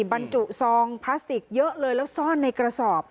บรรจุซองพลาสติกเยอะเลยแล้วซ่อนในกระสอบ